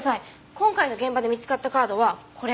今回の現場で見つかったカードはこれ。